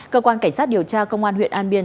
cảnh sát điều tra công an huyện an biên